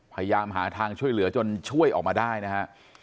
พยายามหาทางช่วยเหลือจนช่วยออกมาได้นะฮะ